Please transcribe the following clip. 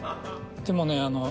でもね。